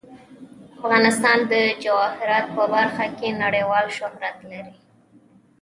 افغانستان د جواهرات په برخه کې نړیوال شهرت لري.